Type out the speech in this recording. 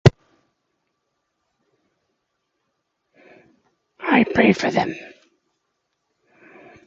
I pray for them.